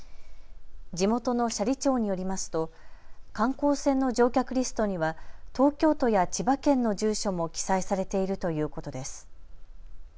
地元の斜里町によりますと観光船の乗客リストには東京都や千葉県の住所も記載されているということです。